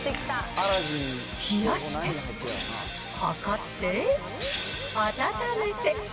冷やして、計って、暖めて。